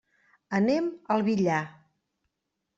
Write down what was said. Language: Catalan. Anem al Villar.